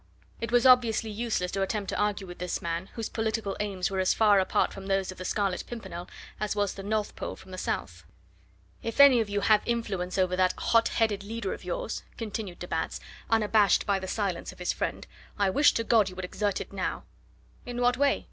It was obviously useless to attempt to argue with this man, whose political aims were as far apart from those of the Scarlet Pimpernel as was the North Pole from the South. "If any of you have influence over that hot headed leader of yours," continued de Batz, unabashed by the silence of his friend, "I wish to God you would exert it now." "In what way?"